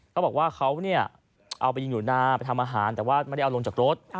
เขาบอกว่าเขาเนี่ยเอาไปยิงอยู่นาไปทำอาหารแต่ว่าไม่ได้เอาลงจากรถ